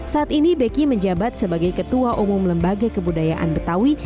saat ini beki menjabat sebagai ketua umum lembaga kebudayaan betawi